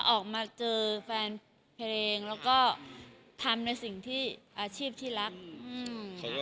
ออกมาเจอแฟนเพลงแล้วก็ทำในสิ่งที่อาชีพที่รักอืม